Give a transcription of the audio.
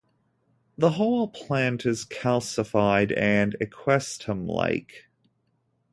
The whole plant is calcified and "Equisetum"-like.